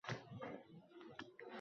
Qalbingiz kishanlangan ekan